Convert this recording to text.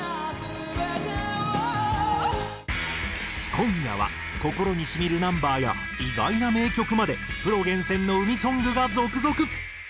今夜は心に染みるナンバーや意外な名曲までプロ厳選の海ソングが続々。